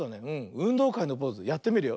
うんどうかいのポーズやってみるよ。